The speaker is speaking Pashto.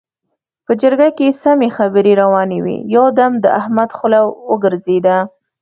په جرګه کې سمې خبرې روانې وې؛ يو دم د احمد خوله وګرځېده.